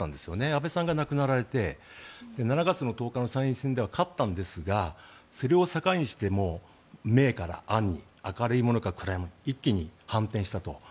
安倍さんが亡くなられて７月１０日の参院選では勝ったんですがそれを境にして明から暗に明るいものから暗いものに一気に反転したと。